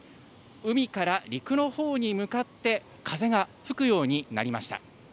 海から陸のほうに向かって風が吹くようになりました。